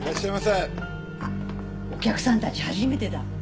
あっお客さんたち初めてだ。